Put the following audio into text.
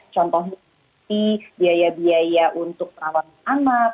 contohnya biaya biaya untuk perawat anak